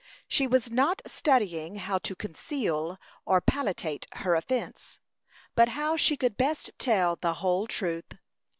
She was not studying how to conceal or palliate her offence, but how she could best tell the whole truth.